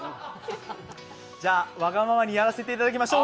じゃあ、わがままにやらせいただきましょう。